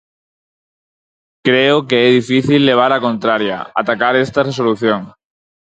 Creo que é difícil levar a contraria, atacar esta resolución.